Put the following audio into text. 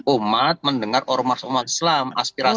umat mendengar ormasi islam aspirasi mereka seperti apa